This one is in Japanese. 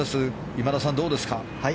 今田さん、どうですか。